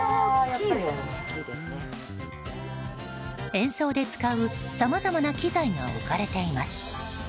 演奏で使うさまざまな機材が置かれています。